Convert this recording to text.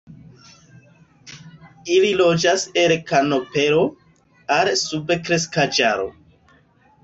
Ili loĝas el kanopeo al subkreskaĵaro.